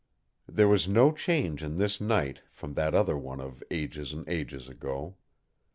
There was no change in this night from that other one of ages and ages ago.